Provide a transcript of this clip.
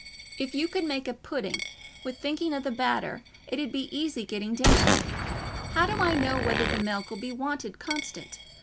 If you could make a pudding wi' thinking o' the batter, it 'ud be easy getting dinner. How do I know whether the milk 'ull be wanted constant?